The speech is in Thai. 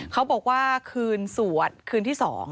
เขาบอกว่าคืนสวดคืนที่๒